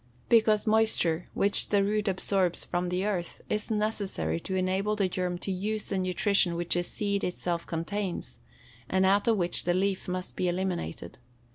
_ Because moisture, which the root absorbs from the earth, is necessary to enable the germ to use the nutrition which the seed itself contains, and out of which the leaf must be eliminated.